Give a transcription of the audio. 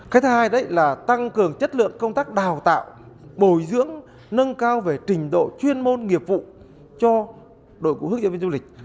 cái thứ hai là tăng cường chất lượng công tác đào tạo bồi dưỡng nâng cao về trình độ chuyên môn nghiệp vụ cho đội ngũ hướng dẫn viên du lịch